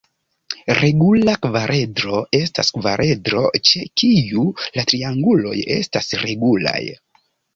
Regula kvaredro estas kvaredro ĉe kiu la trianguloj estas regulaj.